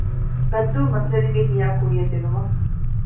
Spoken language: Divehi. ގައްދޫ މަސްވެރިންގެ ހިޔާ ކުއްޔަށް ދިނުމަށް